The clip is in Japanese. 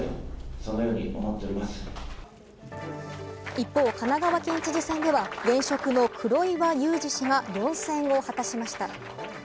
一方、神奈川県知事選では現職の黒岩祐治氏が４選を果たしました。